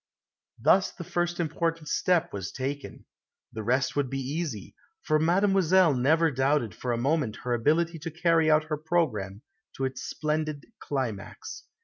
Thus the first important step was taken. The rest would be easy; for Mademoiselle never doubted for a moment her ability to carry out her programme to its splendid climax.